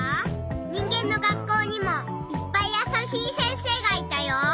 にんげんの学校にもいっぱいやさしい先生がいたよ。